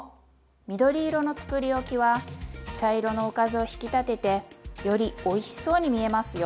緑色のつくりおきは茶色のおかずを引き立ててよりおいしそうに見えますよ。